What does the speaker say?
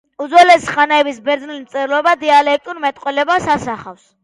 უძველესი ხანების ბერძნული მწერლობა დიალექტურ მეტყველებას ასახავს.